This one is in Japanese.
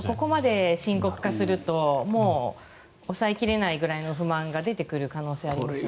ここまで深刻化するともう抑え切れないぐらいの不満が出てくる可能性はありますからね。